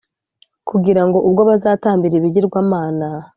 kugira ngo ubwo bazatambira ibigirwamana